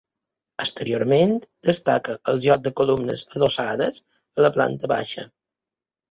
Exteriorment destaca el joc de columnes adossades a la planta baixa.